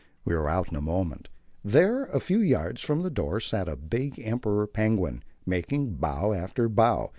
We were out in a moment. There, a few yards from the door, sat a big Emperor penguin, making bow after bow.